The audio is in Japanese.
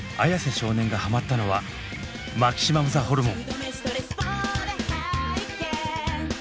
少年がハマったのはマキシマムザホルモン。